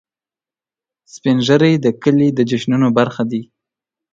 سپین ږیری د کلي د جشنونو برخه دي